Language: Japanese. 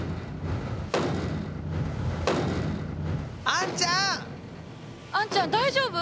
あんちゃん大丈夫？